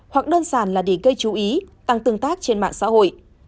hoặc đơn giản là để gây chú ý tăng tương tác trên mạng xã hội